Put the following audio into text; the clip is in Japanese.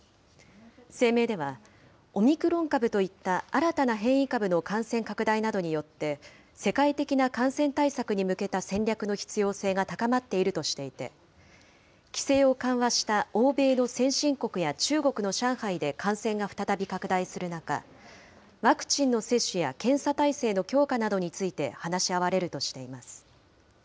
声明では、オミクロン株といった新たな変異株の感染拡大などによって、世界的な感染対策に向けた戦略の必要性が高まっているとしていて、規制を緩和した欧米の先進国や中国の上海で感染が再び拡大する中、ワクチンの接種や検査態勢の強化などについて話し合われるとしています。